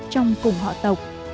trong cùng họ tộc